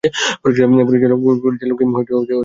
পরিচালক কিম, কী হয়েছে?